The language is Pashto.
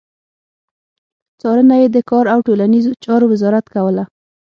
څارنه يې د کار او ټولنيزو چارو وزارت کوله.